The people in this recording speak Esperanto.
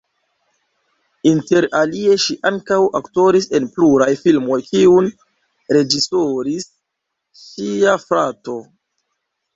Inter alie ŝi ankaŭ aktoris en pluraj filmoj kiujn reĝisoris ŝia frato.